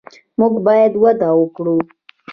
موږ باید وده ورکړو.